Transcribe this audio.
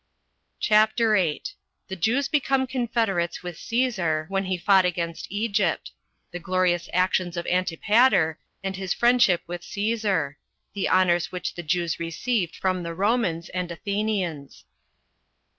CHAPTER 8. The Jews Become Confederates With Cæsar When He Fought Against Egypt. The Glorious Actions Of Antipater, And His Friendship With Cæsar. The Honors Which The Jews Received From The Romans And Athenians.